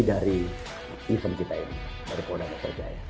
di isem kita ini dari polda metro jaya